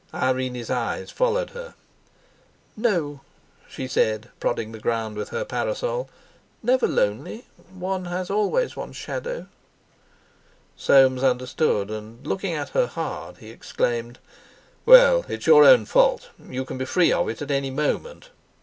Irene's eyes followed her. "No," she said, prodding the ground with her parasol, "never lonely. One has always one's shadow." Soames understood; and, looking at her hard, he exclaimed: "Well, it's your own fault. You can be free of it at any moment.